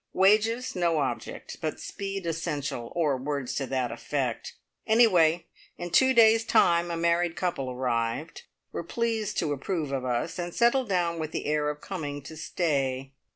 Wages no object, but speed essential, or words to that effect. Anyway, in two days' time a married couple arrived, were pleased to approve of us, and settled down with the air of coming to stay.